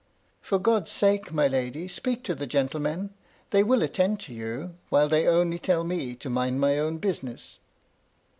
For God's sake, my lady, speak to the gentlemen; they will attend to you, while they only tell me to mind my own business."